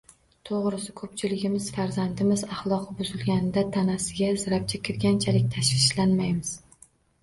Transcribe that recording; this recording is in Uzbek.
To‘g‘risi, ko‘pchiligimiz farzandimiz axloqi buzilganida tanasiga zirapcha kirganchalik tashvishlanmaymiz.